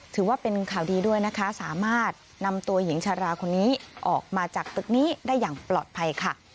ถือว่าเป็นข่าวดีด้วยนะคะสามารถนำตัวหญิงชาราคนนี้ออกมาจากตึกนี้ได้อย่างปลอดภัยค่ะ